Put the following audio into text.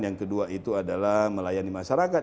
yang kedua itu adalah melayani masyarakat